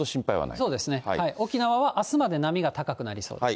そうですね、沖縄はあすまで波が高くなりそうです。